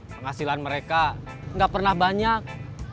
penghasilan mereka nggak pernah banyak